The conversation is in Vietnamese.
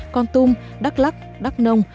con tum đắk lắk đắk nông